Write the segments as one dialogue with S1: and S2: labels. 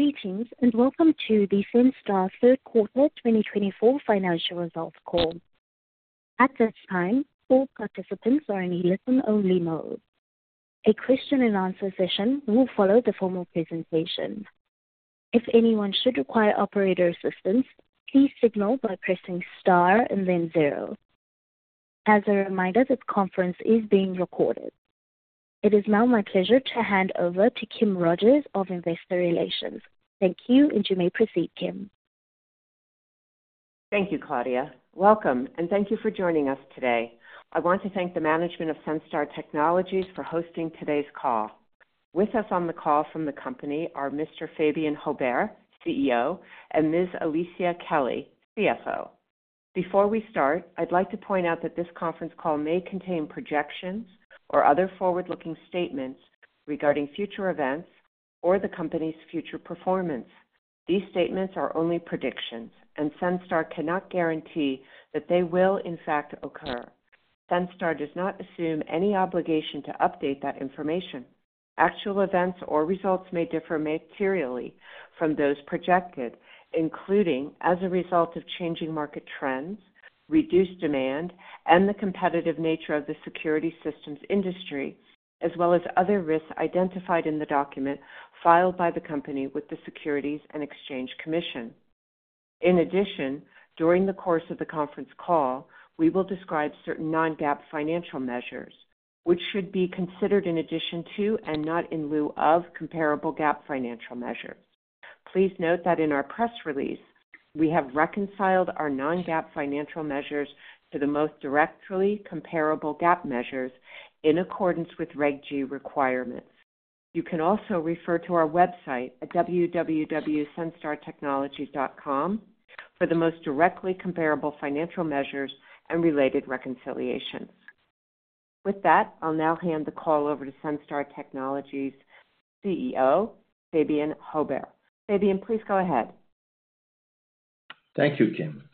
S1: Greetings and welcome to the Senstar Q3 2024 financial results call. At this time, all participants are in a listen-only mode. A question-and-answer session will follow the formal presentation. If anyone should require operator assistance, please signal by pressing star and then zero. As a reminder, this conference is being recorded. It is now my pleasure to hand over to Kim Rogers of Investor Relations. Thank you, and you may proceed, Kim.
S2: Thank you, Claudia. Welcome, and thank you for joining us today. I want to thank the management of Senstar Technologies for hosting today's call. With us on the call from the company are Mr. Fabien Haubert, CEO, and Ms. Alicia Kelly, CFO. Before we start, I'd like to point out that this conference call may contain projections or other forward-looking statements regarding future events or the company's future performance. These statements are only predictions, and Senstar cannot guarantee that they will, in fact, occur. Senstar does not assume any obligation to update that information. Actual events or results may differ materially from those projected, including as a result of changing market trends, reduced demand, and the competitive nature of the security systems industry, as well as other risks identified in the document filed by the company with the Securities and Exchange Commission. In addition, during the course of the conference call, we will describe certain non-GAAP financial measures, which should be considered in addition to and not in lieu of comparable GAAP financial measures. Please note that in our press release, we have reconciled our non-GAAP financial measures to the most directly comparable GAAP measures in accordance with Reg G requirements. You can also refer to our website at www.senstartechnologies.com for the most directly comparable financial measures and related reconciliations. With that, I'll now hand the call over to Senstar Technologies CEO, Fabien Haubert. Fabien, please go ahead.
S3: Thank you, Kim.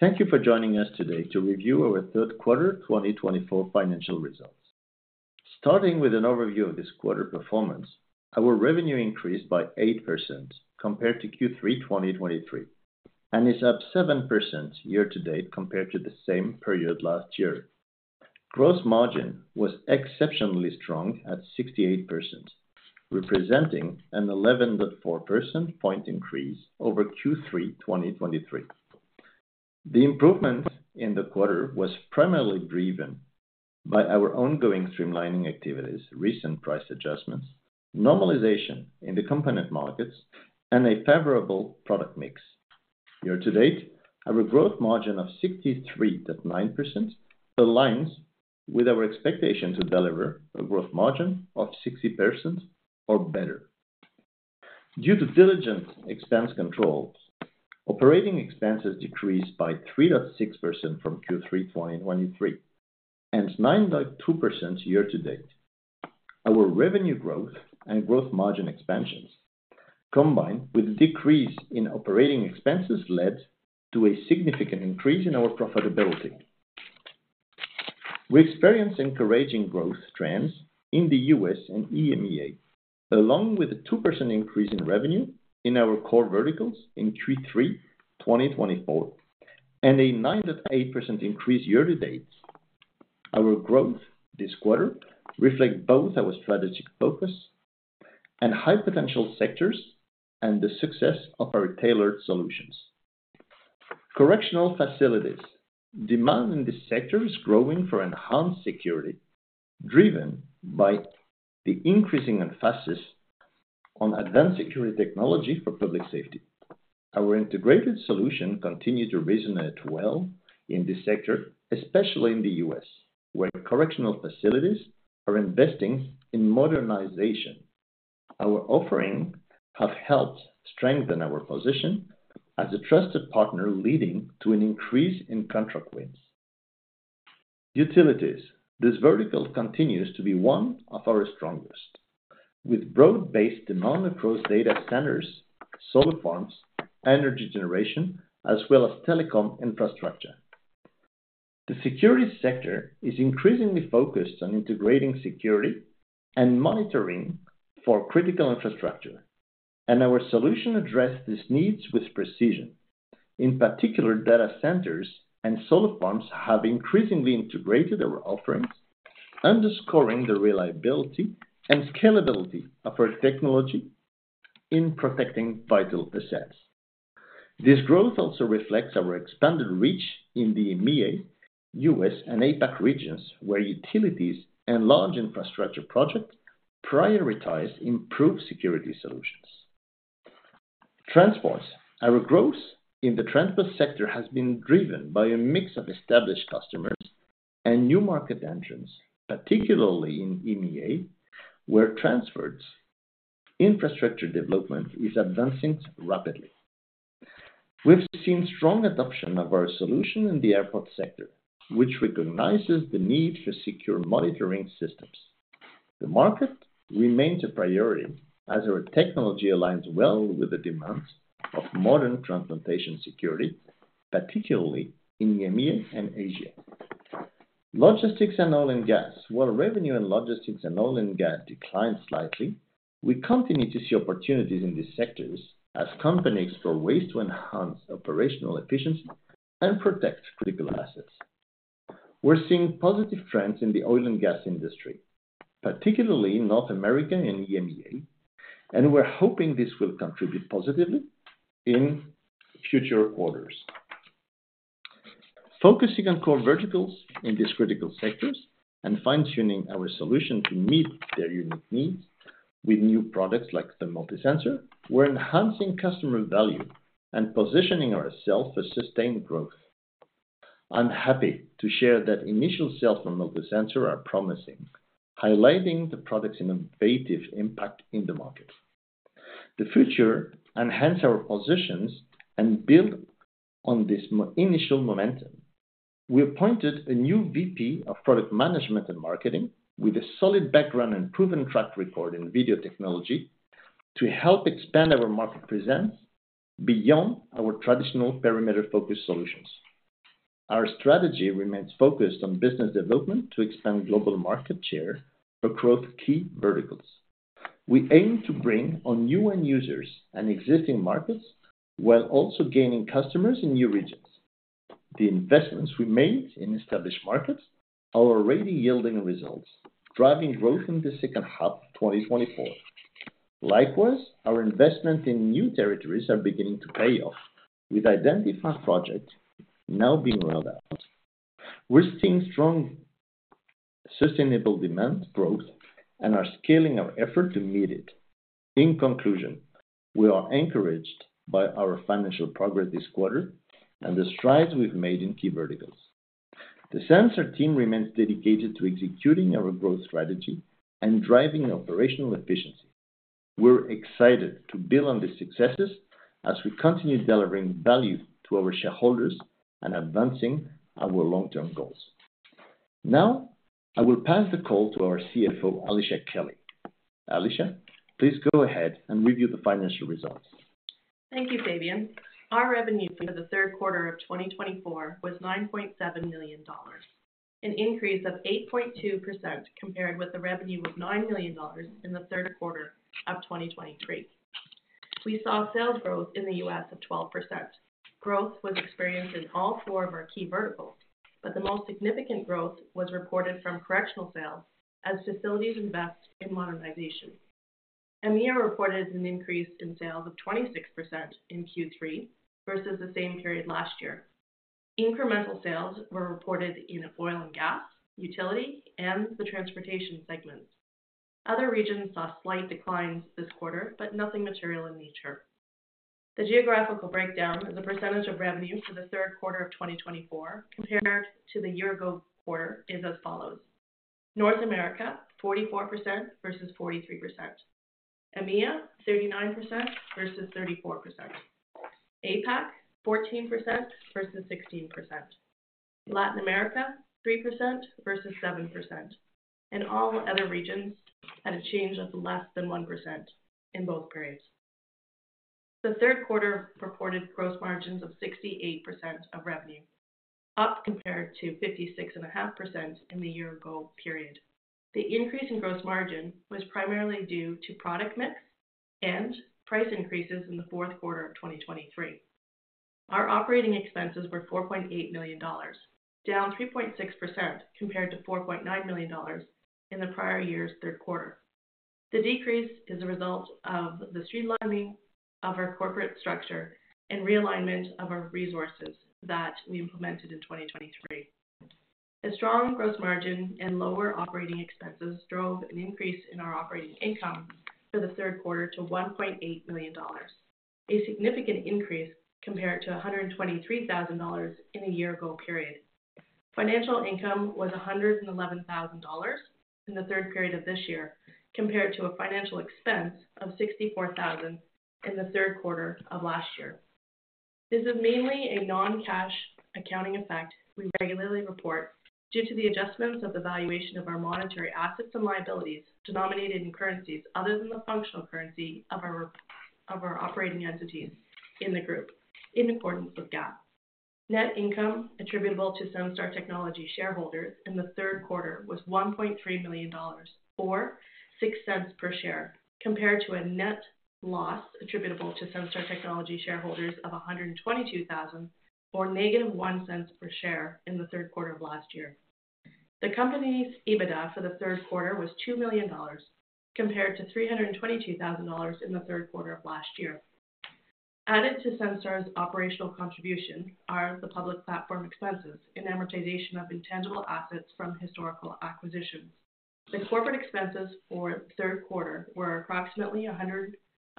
S3: Thank you for joining us today to review our Q3 2024 financial results. Starting with an overview of this quarter's performance, our revenue increased by 8% compared to Q3 2023 and is up 7% year-to-date compared to the same period last year. Gross margin was exceptionally strong at 68%, representing an 11.4 percentage point increase over Q3 2023. The improvement in the quarter was primarily driven by our ongoing streamlining activities, recent price adjustments, normalization in the component markets, and a favorable product mix. Year-to-date, our gross margin of 63.9% aligns with our expectation to deliver a gross margin of 60% or better. Due to diligent expense controls, operating expenses decreased by 3.6% from Q3 2023 and 9.2% year-to-date. Our revenue growth and gross margin expansions, combined with a decrease in operating expenses, led to a significant increase in our profitability. We experience encouraging growth trends in the U.S. and EMEA, along with a 2% increase in revenue in our core verticals in Q3 2024 and a 9.8% increase year-to-date. Our growth this quarter reflects both our strategic focus and high-potential sectors and the success of our tailored solutions. Correctional facilities demand in this sector is growing for enhanced security, driven by the increasing emphasis on advanced security technology for public safety. Our integrated solution continues to resonate well in this sector, especially in the U.S., where correctional facilities are investing in modernization. Our offerings have helped strengthen our position as a trusted partner, leading to an increase in contract wins. Utilities, this vertical continues to be one of our strongest, with broad-based demand across data centers, solar farms, energy generation, as well as telecom infrastructure. The security sector is increasingly focused on integrating security and monitoring for critical infrastructure, and our solution addresses these needs with precision. In particular, data centers and solar farms have increasingly integrated our offerings, underscoring the reliability and scalability of our technology in protecting vital assets. This growth also reflects our expanded reach in the EMEA, U.S., and APAC regions, where utilities and large infrastructure projects prioritize improved security solutions. Transport, our growth in the transport sector has been driven by a mix of established customers and new market entrants, particularly in EMEA, where transport infrastructure development is advancing rapidly. We've seen strong adoption of our solution in the airport sector, which recognizes the need for secure monitoring systems. The market remains a priority as our technology aligns well with the demands of modern transportation security, particularly in EMEA and Asia. Logistics and oil and gas, while revenue in logistics and oil and gas declined slightly, we continue to see opportunities in these sectors as companies explore ways to enhance operational efficiency and protect critical assets. We're seeing positive trends in the oil and gas industry, particularly North America and EMEA, and we're hoping this will contribute positively in future quarters. Focusing on core verticals in these critical sectors and fine-tuning our solution to meet their unique needs with new products like the MultiSensor, we're enhancing customer value and positioning ourselves for sustained growth. I'm happy to share that initial sales for MultiSensor are promising, highlighting the product's innovative impact in the market. The future enhances our positions and builds on this initial momentum. We appointed a new VP of Product Management and Marketing with a solid background and proven track record in video technology to help expand our market presence beyond our traditional perimeter-focused solutions. Our strategy remains focused on business development to expand global market share for growth-key verticals. We aim to bring on new end users and existing markets while also gaining customers in new regions. The investments we made in established markets are already yielding results, driving growth in the second half of 2024. Likewise, our investments in new territories are beginning to pay off, with identified projects now being rolled out. We're seeing strong sustainable demand growth and are scaling our effort to meet it. In conclusion, we are encouraged by our financial progress this quarter and the strides we've made in key verticals. The Senstar team remains dedicated to executing our growth strategy and driving operational efficiency. We're excited to build on these successes as we continue delivering value to our shareholders and advancing our long-term goals. Now, I will pass the call to our CFO, Alicia Kelly. Alicia, please go ahead and review the financial results.
S4: Thank you, Fabien. Our revenue for the Q3 of 2024 was $9.7 million, an increase of 8.2% compared with the revenue of $9 million in the Q3 of 2023. We saw sales growth in the U.S. of 12%. Growth was experienced in all four of our key verticals, but the most significant growth was reported from correctional sales as facilities invest in modernization. EMEA reported an increase in sales of 26% in Q3 versus the same period last year. Incremental sales were reported in oil and gas, utility, and the transportation segments. Other regions saw slight declines this quarter, but nothing material in nature. The geographical breakdown of the percentage of revenue for Q3 of 2024 compared to the year-ago quarter is as follows: North America, 44% versus 43%, EMEA, 39% versus 34%, APAC, 14% versus 16%, Latin America, 3% versus 7%, and all other regions had a change of less than 1% in both periods. The Q3 reported gross margins of 68% of revenue, up compared to 56.5% in the year-ago period. The increase in gross margin was primarily due to product mix and price increases in Q4 of 2023. Our operating expenses were $4.8 million, down 3.6% compared to $4.9 million in the prior year's Q3. The decrease is a result of the streamlining of our corporate structure and realignment of our resources that we implemented in 2023. A strong gross margin and lower operating expenses drove an increase in our operating income for Q3 to $1.8 million, a significant increase compared to $123,000 in the year-ago period. Financial income was $111,000 in the Q3 of this year compared to a financial expense of $64,000 in the Q3 of last year. This is mainly a non-cash accounting effect we regularly report due to the adjustments of the valuation of our monetary assets and liabilities denominated in currencies other than the functional currency of our operating entities in the group, in accordance with GAAP. Net income attributable to Senstar Technologies shareholders in Q3 was $1.3 million, or $0.06 per share, compared to a net loss attributable to Senstar Technologies shareholders of $122,000, or -$0.01 per share in Q3 of last year. The company's EBITDA for Q3 was $2 million, compared to $322,000 in Q3 of last year. Added to Senstar's operational contribution are the public platform expenses and amortization of intangible assets from historical acquisitions.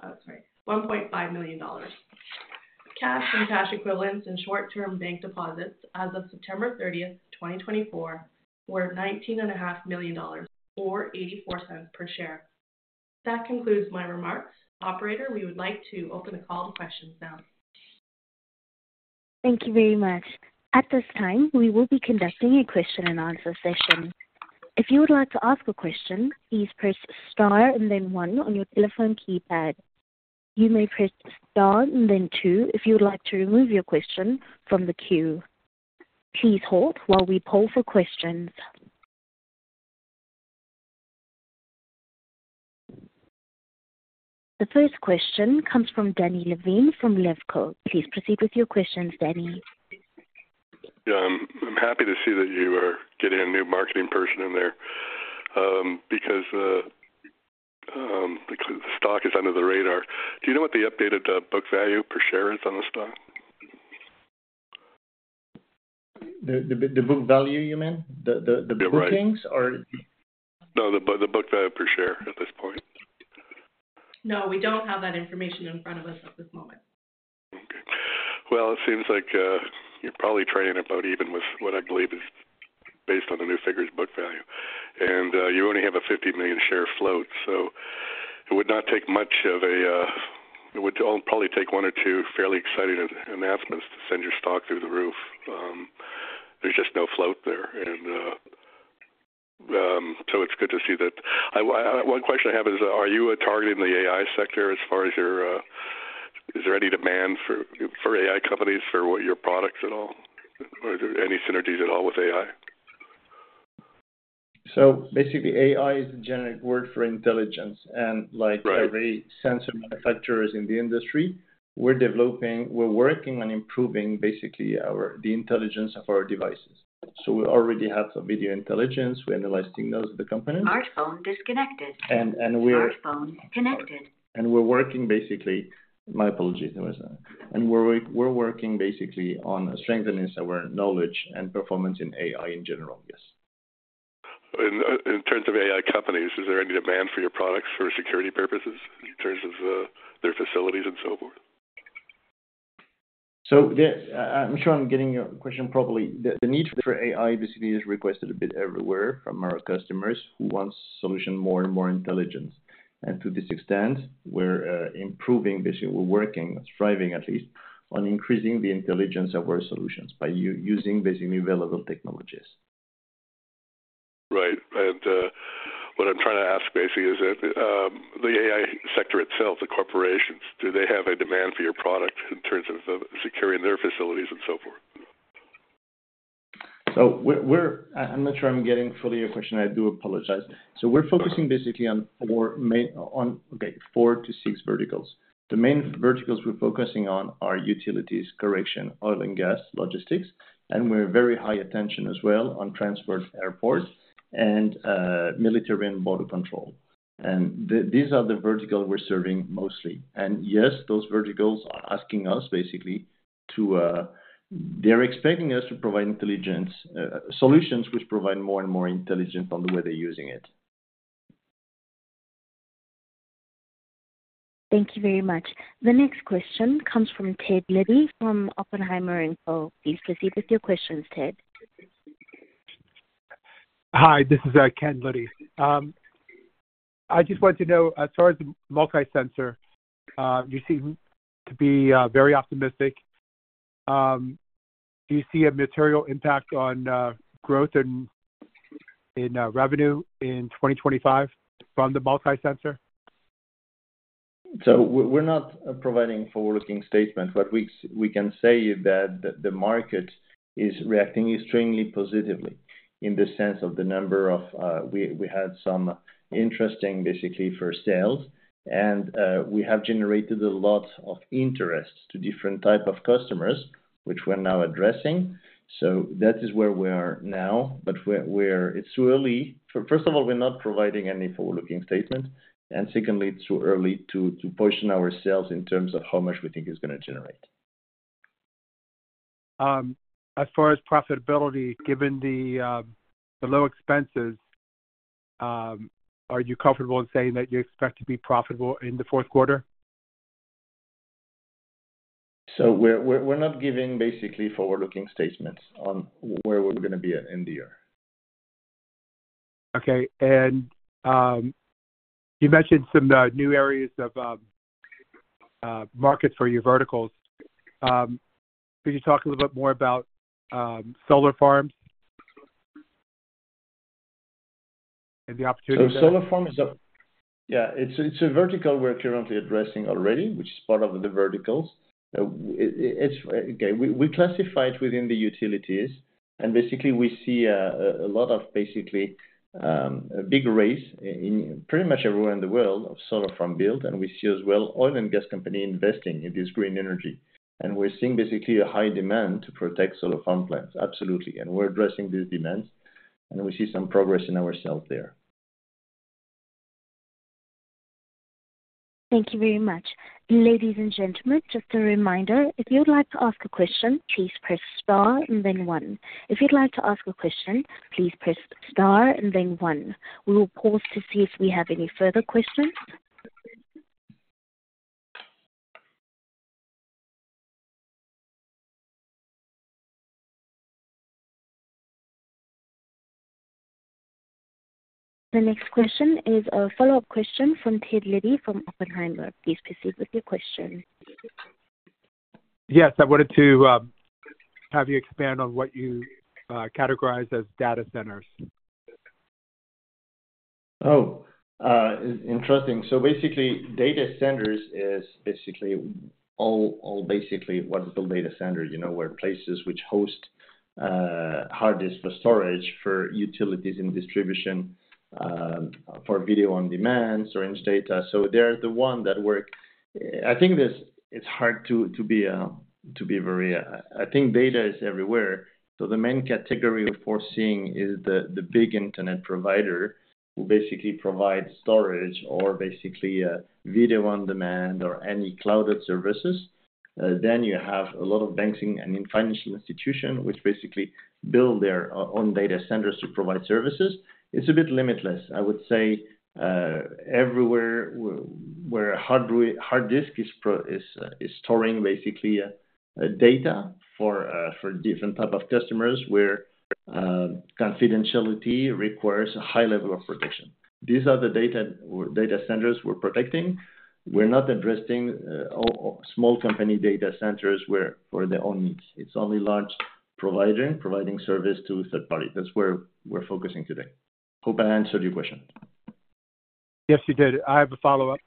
S4: The corporate expenses for Q3 were approximately $1.5 million. Cash and cash equivalents and short-term bank deposits as of September 30, 2024, were $19.5 million, or $0.84 per share. That concludes my remarks. Operator, we would like to open the call to questions now.
S1: Thank you very much. At this time, we will be conducting a question-and-answer session. If you would like to ask a question, please press star and then one on your telephone keypad. You may press star and then two if you would like to remove your question from the queue. Please hold while we poll for questions. The first question comes from Danny Levine from Levco. Please proceed with your questions, Danny.
S5: I'm happy to see that you are getting a new marketing person in there because the stock is under the radar. Do you know what the updated book value per share is on the stock?
S3: The book value, you mean? The bookings or?
S5: No, the book value per share at this point.
S4: No, we don't have that information in front of us at this moment.
S5: Okay, well, it seems like you're probably trading about even with what I believe is based on the new figures' book value, and you only have a 50 million share float, so it would not take much of a, it would probably take one or two fairly exciting announcements to send your stock through the roof. There's just no float there, and so it's good to see that. One question I have is, are you targeting the AI sector as far as your, is there any demand for AI companies for your products at all? Are there any synergies at all with AI?
S3: So basically, AI is the generic word for intelligence. And like every sensor manufacturer in the industry, we're developing, we're working on improving basically the intelligence of our devices. So we already have some video intelligence. We're analyzing those of the companies. And we're— My apologies. We're working basically on strengthening our knowledge and performance in AI in general, yes.
S5: In terms of AI companies, is there any demand for your products for security purposes in terms of their facilities and so forth?
S3: So I'm sure I'm getting your question properly. The need for AI basically is requested a bit everywhere from our customers who want solutions more and more intelligent. And to this extent, we're improving, we're working, striving at least, on increasing the intelligence of our solutions by using basically available technologies.
S5: Right. And what I'm trying to ask basically is, the AI sector itself, the corporations, do they have a demand for your product in terms of securing their facilities and so forth?
S3: So I'm not sure I'm getting fully your question. I do apologize. So we're focusing basically on four to six verticals. The main verticals we're focusing on are utilities, correction, oil and gas, logistics, and we're very high attention as well on transport, airports, and military and border control. And these are the verticals we're serving mostly. And yes, those verticals are asking us basically to—they're expecting us to provide intelligence solutions which provide more and more intelligence on the way they're using it.
S1: Thank you very much. The next question comes from Ken Liddy from Oppenheimer. Please proceed with your questions, Ken.
S6: Hi, this is Ken Liddy. I just wanted to know, as far as the MultiSensor, you seem to be very optimistic. Do you see a material impact on growth in revenue in 2025 from the MultiSensor?
S3: So we're not providing forward-looking statements, but we can say that the market is reacting extremely positively in the sense of the number of, we had some interesting basically for sales, and we have generated a lot of interest to different types of customers, which we're now addressing. So that is where we are now, but it's too early. First of all, we're not providing any forward-looking statements. And secondly, it's too early to position ourselves in terms of how much we think it's going to generate.
S6: As far as profitability, given the low expenses, are you comfortable in saying that you expect to be profitable in the Q4?
S3: So we're not giving basically forward-looking statements on where we're going to be at end of the year.
S6: Okay, and you mentioned some new areas of market for your verticals. Could you talk a little bit more about solar farms and the opportunity?
S3: So solar farms are, yeah, it's a vertical we're currently addressing already, which is part of the verticals. Okay. We classify it within the utilities, and basically we see a lot of big rise in pretty much everywhere in the world of solar farm build, and we see as well oil and gas companies investing in this green energy. And we're seeing basically a high demand to protect solar farm plants. Absolutely. And we're addressing these demands, and we see some progress in sales there.
S1: Thank you very much. Ladies and gentlemen, just a reminder, if you'd like to ask a question, please press star and then one. If you'd like to ask a question, please press star and then one. We will pause to see if we have any further questions. The next question is a follow-up question from Ken Liddy from Oppenheimer. Please proceed with your question.
S6: Yes. I wanted to have you expand on what you categorize as data centers.
S3: Oh, interesting. So basically, data centers is basically all basically what's called data centers, where places which host hard disk storage for utilities and distribution for video on demand, storage data. So they're the one that work. I think data is everywhere. So the main category we're foreseeing is the big internet provider who basically provides storage or basically video on demand or any cloud services. Then you have a lot of banks and financial institutions which basically build their own data centers to provide services. It's a bit limitless. I would say everywhere where hard disk is storing basically data for different types of customers where confidentiality requires a high level of protection. These are the data centers we're protecting. We're not addressing small company data centers for their own needs. It's only large providing service to third parties. That's where we're focusing today. Hope I answered your question.
S6: Yes, you did. I have a follow-up.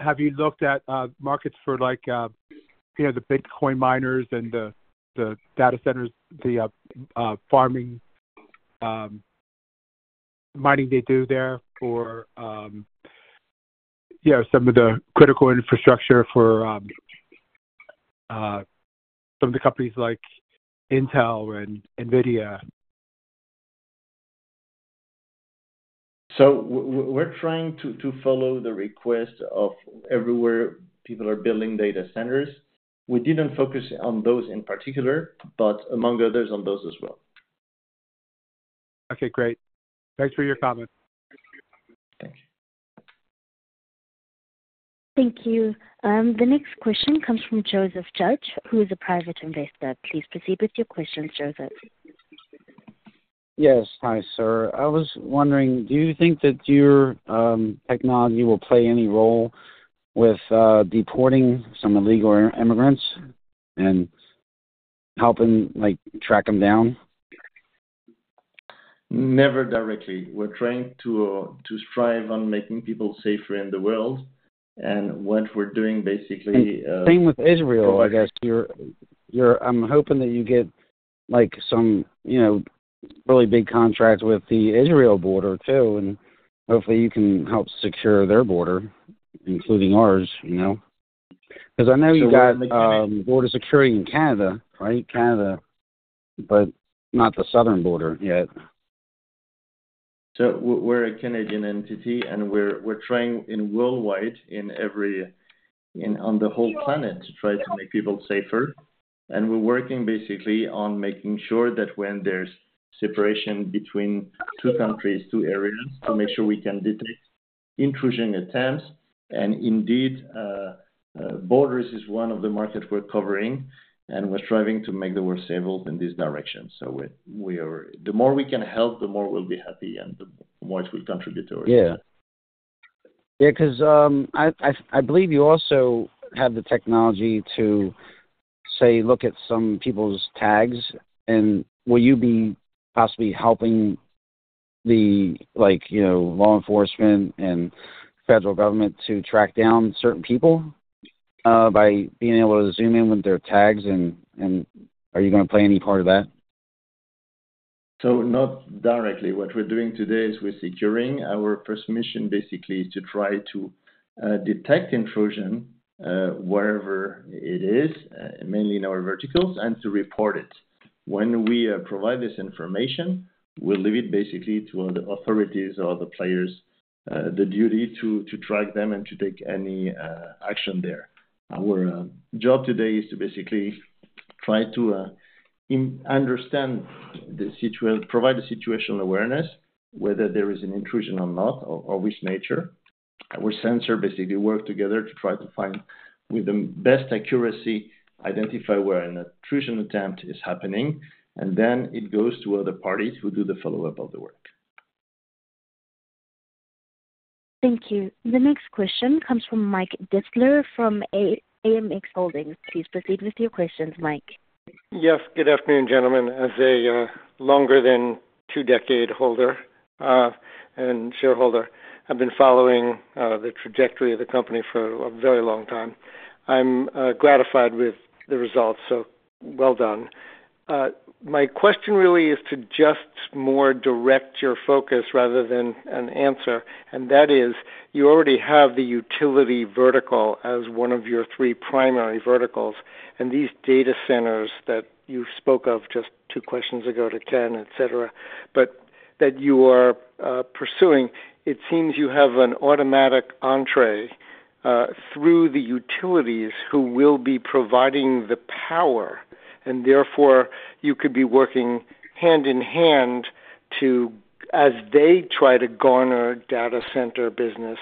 S6: Have you looked at markets for the Bitcoin miners and the data centers, the mining they do there for some of the critical infrastructure for some of the companies like Intel and NVIDIA?
S3: We're trying to follow the request of everywhere people are building data centers. We didn't focus on those in particular, but among others on those as well.
S6: Okay. Great. Thanks for your comment.
S3: Thank you.
S1: Thank you. The next question comes from Joseph Judge, who is a private investor. Please proceed with your question, Joseph. Yes. Hi, sir. I was wondering, do you think that your technology will play any role with deporting some illegal immigrants and helping track them down?
S3: Never directly. We're trying to strive on making people safer in the world. And what we're doing basically. Same with Israel, I guess. I'm hoping that you get some really big contracts with the Israel border too, and hopefully you can help secure their border, including ours. Because I know you got border security in Canada, right? Canada, but not the southern border yet. So we're a Canadian entity, and we're trying worldwide on the whole planet to try to make people safer. And we're working basically on making sure that when there's separation between two countries, two areas, to make sure we can detect intrusion attempts. And indeed, borders is one of the markets we're covering and we're striving to make the world stable in this direction. So the more we can help, the more we'll be happy, and the more it will contribute to our security. Yeah. Yeah. Because I believe you also have the technology to, say, look at some people's tags. And will you be possibly helping the law enforcement and federal government to track down certain people by being able to zoom in with their tags? And are you going to play any part of that? So not directly. What we're doing today is we're securing. Our first mission basically is to try to detect intrusion wherever it is, mainly in our verticals, and to report it. When we provide this information, we'll leave it basically to the authorities or the players, the duty to track them and to take any action there. Our job today is to basically try to understand the situation, provide the situational awareness, whether there is an intrusion or not, or which nature. Our sensor basically works together to try to find, with the best accuracy, identify where an intrusion attempt is happening, and then it goes to other parties who do the follow-up of the work.
S1: Thank you. The next question comes from Mike Distler from AMX Holdings. Please proceed with your questions, Mike.
S7: Yes. Good afternoon, gentlemen. As a longer than two-decade holder and shareholder, I've been following the trajectory of the company for a very long time. I'm gratified with the results. So well done. My question really is to just more direct your focus rather than an answer. And that is, you already have the utility vertical as one of your three primary verticals. And these data centers that you spoke of just two questions ago to Ken, etc., but that you are pursuing, it seems you have an automatic entree through the utilities who will be providing the power. And therefore, you could be working hand in hand as they try to garner data center business.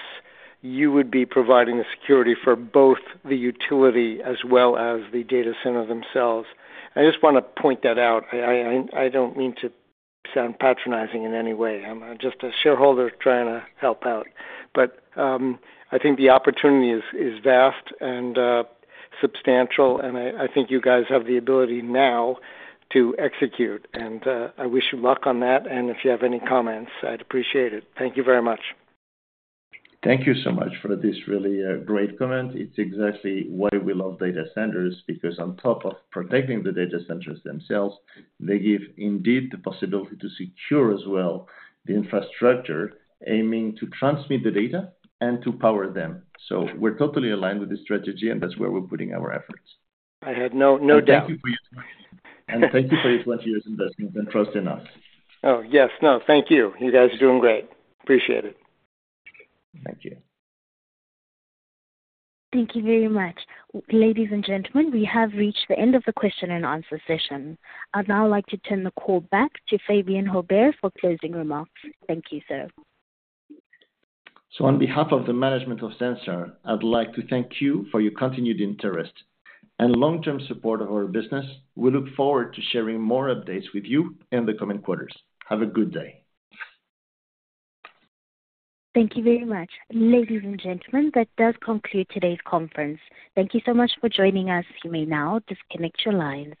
S7: You would be providing the security for both the utility as well as the data center themselves. I just want to point that out. I don't mean to sound patronizing in any way. I'm just a shareholder trying to help out. But I think the opportunity is vast and substantial, and I think you guys have the ability now to execute. And I wish you luck on that. And if you have any comments, I'd appreciate it. Thank you very much.
S3: Thank you so much for this really great comment. It's exactly why we love data centers because on top of protecting the data centers themselves, they give indeed the possibility to secure as well the infrastructure aiming to transmit the data and to power them. So we're totally aligned with the strategy, and that's where we're putting our efforts.
S7: I have no doubt.
S3: Thank you for your time. Thank you for your 20 years investment and trusting us.
S7: Oh, yes. No, thank you. You guys are doing great. Appreciate it.
S3: Thank you.
S1: Thank you very much. Ladies and gentlemen, we have reached the end of the question and answer session. I'd now like to turn the call back to Fabien Haubert for closing remarks. Thank you, sir.
S3: On behalf of the management of Senstar, I'd like to thank you for your continued interest and long-term support of our business. We look forward to sharing more updates with you in the coming quarters. Have a good day.
S1: Thank you very much. Ladies and gentlemen, that does conclude today's conference. Thank you so much for joining us. You may now disconnect your lines.